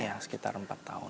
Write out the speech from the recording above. ya sekitar empat tahun